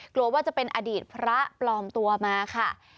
กลัวว่าจะเป็นอดีตพระปลอมตัวมาค่ะ